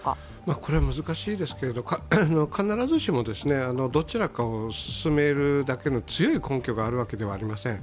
これは難しいですけれど、必ずしもどちらかを奨めるだけの強い根拠があるわけではありません。